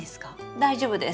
大丈夫です。